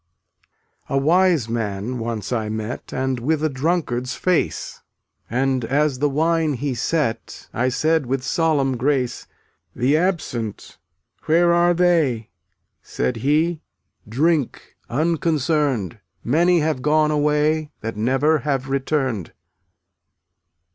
313 A wise man once I met d3ltt&t And with a drunkard's face, ^ And as the wine he set, vl>£' I said with solemn grace: tfUttfl" "The absent — where are they?" 3 Said he: "Drink! unconcerned; Many have gone away That never have returned."